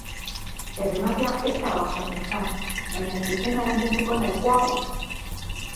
Errematea ez da oso ona izan, baina atezaina gainditzeko nahikoa bai.